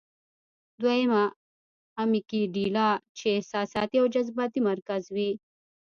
دويمه امېګډېلا چې احساساتي او جذباتي مرکز وي -